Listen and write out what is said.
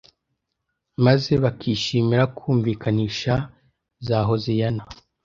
maze bakishimira kumvikanisha za Hoziyana